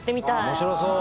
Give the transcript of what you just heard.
面白そう。